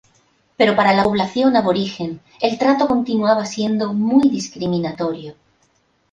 Pero para la población aborigen el trato continuaba siendo muy discriminatorio.